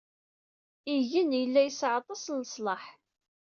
Igen yella yesɛa aṭas n leslaḥ.